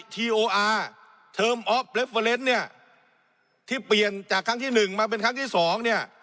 ทีโออาร์เนี่ยที่เปลี่ยนจากครั้งที่หนึ่งมาเป็นครั้งที่สองเนี่ย